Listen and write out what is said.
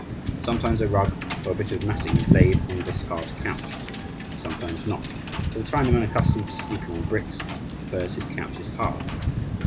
Sometimes a rug or a bit of matting is laid on this hard couch, sometimes not; for the Chinaman, accustomed to sleeping on bricks, prefers his couches hard.